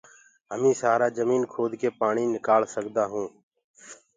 هميٚ سآرآ جميٚن کود ڪي پآڻي نڪآݪ سگدآهونٚ